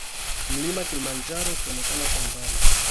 Mlima Kilimanjaro ukionekana kwa mbali